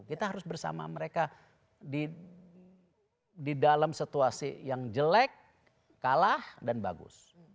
kita harus bersama mereka di dalam situasi yang jelek kalah dan bagus